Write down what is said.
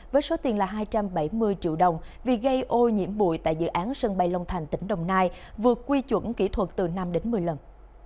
với số tiền là hai trăm bảy mươi triệu đồng vì gây ô nhiễm bụi tại dự án sân bay long thành tỉnh đồng nai vượt quy chuẩn kỹ thuật từ năm đến một mươi lần